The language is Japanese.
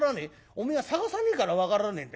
おめえは探さねえから分からねえんだ。